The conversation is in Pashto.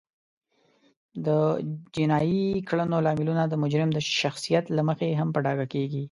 د جینایي کړنو لاملونه د مجرم د شخصیت له مخې هم په ډاګه کیږي